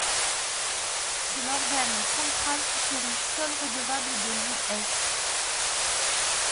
C’est l’organe central qui s’érige seul redevable de l’IS.